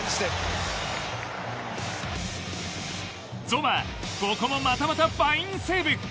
ゾマーここもまたまたファインセーブ。